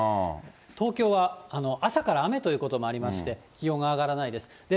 東京は朝から雨ということもありまして、気温が上がらないです。